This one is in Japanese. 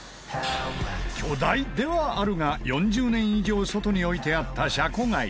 巨大ではあるが４０年以上外に置いてあったシャコガイ。